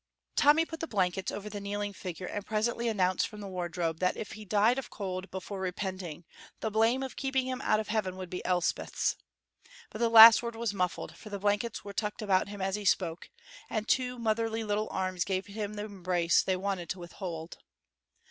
Tommy put the blankets over the kneeling figure, and presently announced from the wardrobe that if he died of cold before repenting the blame of keeping him out of heaven would be Elspeth's. But the last word was muffled, for the blankets were tucked about him as he spoke, and two motherly little arms gave him the embrace they wanted to withhold.